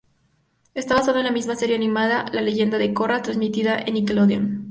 Está basado en la misma serie animada, "La leyenda de Korra", transmitida en Nickelodeon.